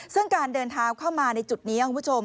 ซึ่งการเดินเท้าเข้ามาในจุดนี้คุณผู้ชม